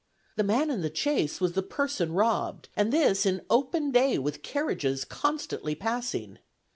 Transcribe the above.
The man in the chaise was the person robbed, and this in open day with carriages constantly passing.